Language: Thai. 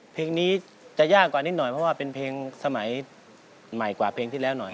เพลงนี้จะยากกว่านิดหน่อยเพราะว่าเป็นเพลงสมัยใหม่กว่าเพลงที่แล้วหน่อย